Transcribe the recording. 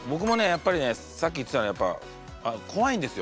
やっぱりねさっき言ってたようにやっぱ怖いんですよ。